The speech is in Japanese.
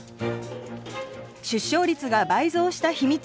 出生率が倍増した秘密